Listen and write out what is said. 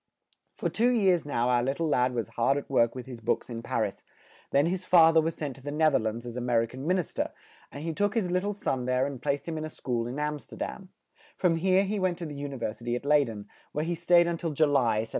For two years now our lit tle lad was hard at work with his books in Par is; then his fa ther was sent to the Neth er lands as A mer i can Min is ter, and he took his lit tle son there and placed him in a school in Am ster dam; from here he went to the U ni ver si ty at Ley den, where he stayed un til Ju ly, 1781.